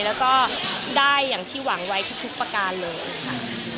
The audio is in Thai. แล้วก็ได้อย่างที่หวังไว้ทุกประการเลยค่ะ